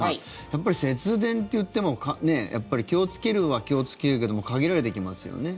やっぱり節電といっても気をつけるは気をつけるけども限られてきますよね。